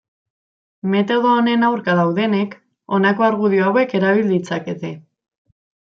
Metodo honen aurka daudenek honako argudio hauek erabil ditzakete.